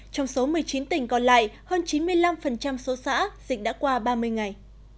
trong số một mươi chín tỉnh còn lại hơn chín mươi năm số xã dịch đã qua ba mươi ngày